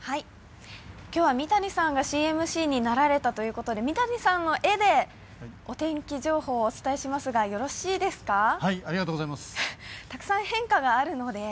今日は三谷さんが新ＭＣになられたということで三谷さんの絵でお天気情報をお伝えしますが、よろしいですか。